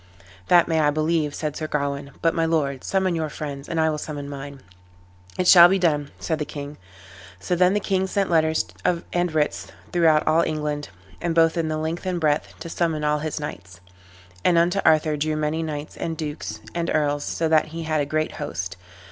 "That may I believe," said Sir Gawain; "but, my lord, summon your friends, and I will summon mine." "It shall be done," said the king. So then the king sent letters and writs throughout all England, both in the length and breadth, to summon all his knights. And unto Arthur drew many knights, dukes, and earls, so that he had a great host.